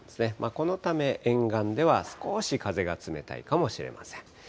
このため、沿岸では少し風が冷たいかもしれません。